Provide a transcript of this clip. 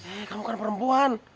eh kamu kan perempuan